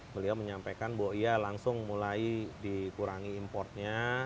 beliau menyampaikan bahwa ia langsung mulai dikurangi importnya